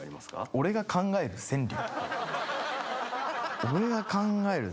俺が考える川柳。